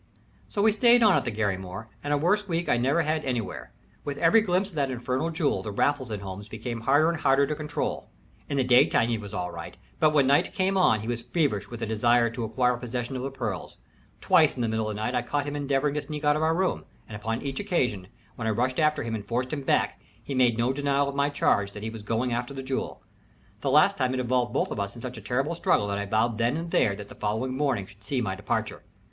So we stayed on at the Garrymore, and a worse week I never had anywhere. With every glimpse of that infernal jewel the Raffles in Holmes became harder and harder to control. In the daytime he was all right, but when night came on he was feverish with the desire to acquire possession of the pearls. Twice in the middle of the night I caught him endeavoring to sneak out of our room, and upon each occasion, when I rushed after him and forced him back, he made no denial of my charge that he was going after the jewel. The last time it involved us both in such a terrible struggle that I vowed then and there that the following morning should see my departure.